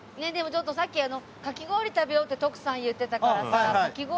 ちょっとさっきかき氷食べようって徳さん言ってたからさかき氷